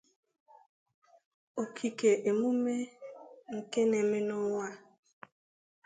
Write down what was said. Okike emume nke n’eme n’ọnwa a.